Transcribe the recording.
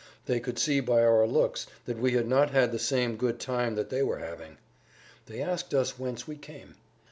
They could see by our looks that we had not had the same good time that they were having. They asked us whence we came.